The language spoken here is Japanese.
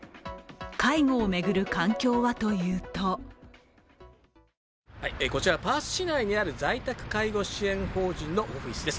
介護を巡る環境はというとこちらパース市内にある在宅介護支援法人のオフィスです。